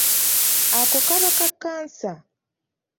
Ako kaba kakansa.